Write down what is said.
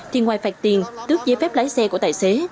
thì ngoài phạt tiền tước giấy phép lái xe của tài xế